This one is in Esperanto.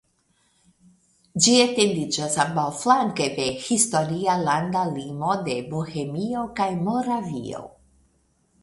Ĝi etendiĝas ambaŭflanke de historia landa limo de Bohemio kaj Moravio.